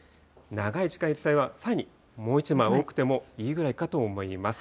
長い時間いる際は、さらにもう一枚多くてもいいぐらいかと思います。